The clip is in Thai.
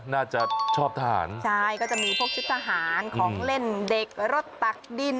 น่าจะชอบทหารใช่ก็จะมีพวกชุดทหารของเล่นเด็กรถตักดิน